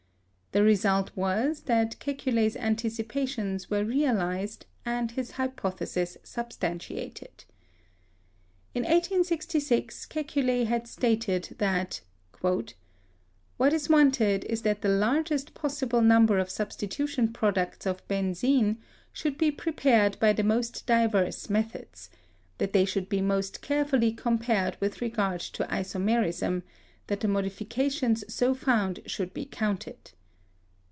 The result was that Kekule's anticipations were realized and his hypothesis substantiated. In 1866, Kekule had stated that "What is wanted is that the largest possible number of substitution products of benzene should be prepared by the most diverse methods; that they should be most carefully compared with regard to isomerism; that the modifications so found should be counted.